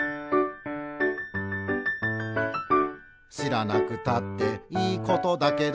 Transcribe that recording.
「しらなくたっていいことだけど」